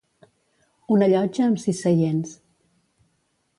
Una llotja amb sis seients.